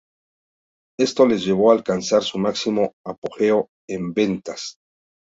Esto les llevó a alcanzar su máximo apogeo en ventas.